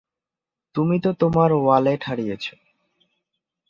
তুমি তো তোমার ওয়ালেট হারিয়েছ।